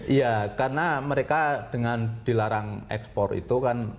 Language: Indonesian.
iya karena mereka dengan dilarang ekspor itu kan